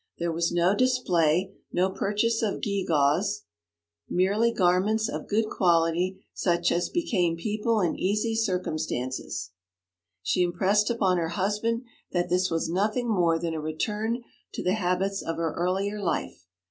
There was no display, no purchase of gewgaws merely garments of good quality, such as became people in easy circumstances. She impressed upon her husband that this was nothing more than a return to the habits of her earlier life.